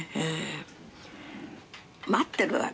待ってるわけ。